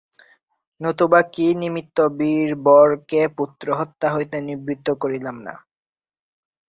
নতুবা কি নিমিত্ত বীরবরকে পুত্রহত্যা হইতে নিবৃত্ত করিলাম না।